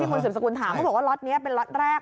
พี่มนต์ศูนย์สกุลถามเขาบอกว่าร็อตนี้เป็นร็อตแรก